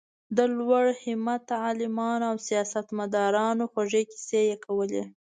د لوړ همته عالمانو او سیاست مدارانو خوږې کیسې یې کولې.